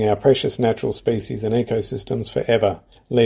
kita berhasil menghilangkan spesies dan ekosistem natural kita